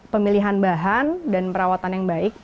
pemilihan bahan dan perawatan yang baik